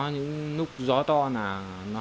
những lúc gió gió gió gió gió gió gió gió gió gió